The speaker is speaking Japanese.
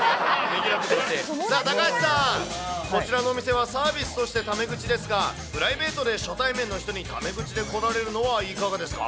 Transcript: さあ、高橋さん、こちらのお店はサービスとしてため口ですが、プライベートで初対面の人にため口で来られるのはいかがですか？